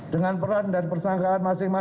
dengan peran dan persangkaan masyarakat